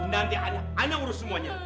nanti anak urus semuanya